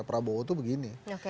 pak prabowo tuh begini